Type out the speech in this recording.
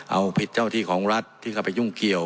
เอาผิดเจ้าที่ของรัฐที่เข้าไปยุ่งเกี่ยว